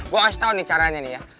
gue kasih tau nih caranya nih ya